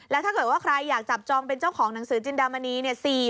แล้วถ้าเกิดว่าใครอยากจับจองเป็นเจ้าของหนังสือจินดามณีเนี่ย